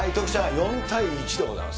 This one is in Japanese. ４対１でございます。